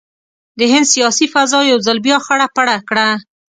د هند سیاسي فضا یو ځل بیا خړه پړه کړه.